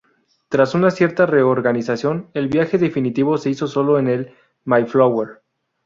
Tras una cierta reorganización, el viaje definitivo se hizo sólo en el "Mayflower".